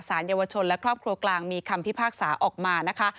เยาวชนและครอบครัวกลางมีคำพิพากษาออกมานะคะ